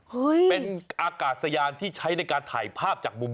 วิ่งแบบพี่ตูนวิ่งแบบพี่ตูน